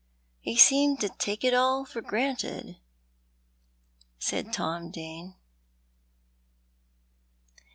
" He seemed to take it all for granted," said Tom Dane.